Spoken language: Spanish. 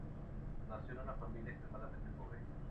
Nació en una familia extremadamente pobre.